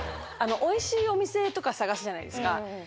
おいしいお店とか探すじゃないですか。